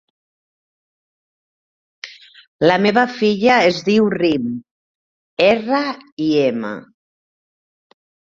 La meva filla es diu Rim: erra, i, ema.